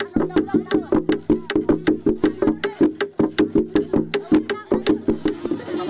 jangan lupa untuk menikmati video ini